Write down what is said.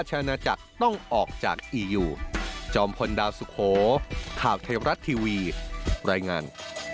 จอมพลดาวสุโขข่าวไทยรับรัฐทีวีรายงาน